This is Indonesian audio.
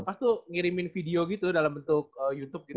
luka tuh ngirimin video gitu dalam bentuk youtube gitu